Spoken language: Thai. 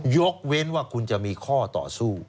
ยกเว้นว่าคุณจะมีข้อต่อสู้